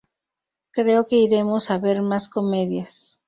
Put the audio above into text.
Creo que iremos a ver más comedias.